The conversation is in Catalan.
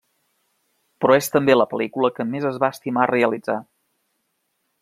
Però és també la pel·lícula que més es va estimar realitzar.